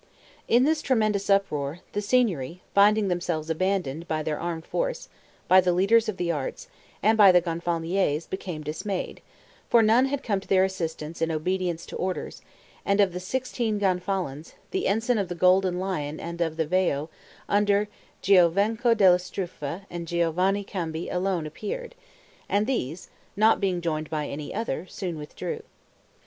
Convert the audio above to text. In this tremendous uproar, the Signory, finding themselves abandoned by their armed force, by the leaders of the arts, and by the Gonfaloniers, became dismayed; for none had come to their assistance in obedience to orders; and of the sixteen Gonfalons, the ensign of the Golden Lion and of the Vaio, under Giovenco della Stufa and Giovanni Cambi alone appeared; and these, not being joined by any other, soon withdrew.